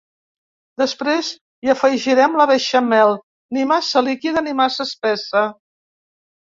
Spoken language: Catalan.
Després hi afegirem la beixamel, ni massa líquida ni massa espessa.